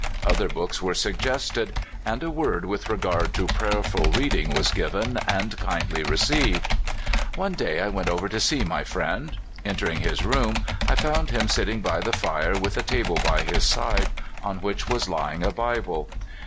Other books were suggested, and a word with regard to prayerful reading was given, and kindly received. One day I went over to see my friend. Enter ing his room, I found him sitting by the fire with a table by his side, on which was lying a Bible.